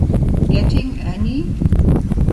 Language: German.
Getting Any?